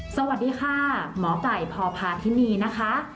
สวัสดีค่ะหมอไก่พพาธินีนะคะ